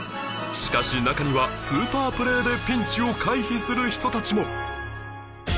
しかし中にはスーパープレーでピンチを回避する人たちも